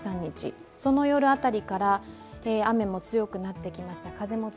その夜辺りから雨も強くなってきました